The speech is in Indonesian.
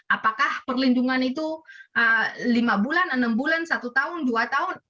apakah perlindungan itu lima bulan enam bulan satu tahun dua tahun